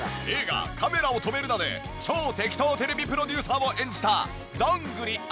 映画『カメラを止めるな！』で超テキトーテレビプロデューサーを演じた「どんぐり」